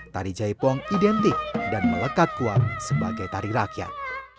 tari jaipong identik dan melekat kuat sebagai tari rakyat